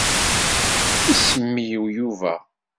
Isem-iw Yuba.